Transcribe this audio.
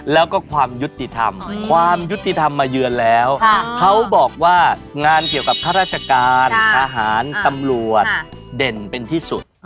แล้วก็ความยุติธรรมความยุติธรรมมาเยือนแล้วเขาบอกว่างานเกี่ยวกับข้าราชการทหารตำรวจเด่นเป็นที่สุด